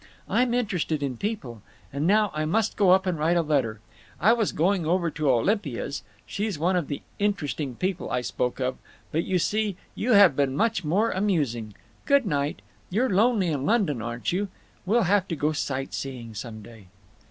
I'm interested in people…. And now I must go up and write a letter. I was going over to Olympia's—she's one of the Interesting People I spoke of—but you see you have been much more amusing. Good night. You're lonely in London, aren't you? We'll have to go sightseeing some day."